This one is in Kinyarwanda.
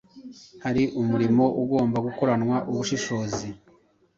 Hari umurimo ugomba gukoranwa ubushishozi